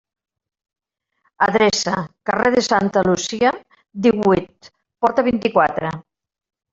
Adreça: carrer de Santa Lucia, díhuit, porta vint-i-quatre.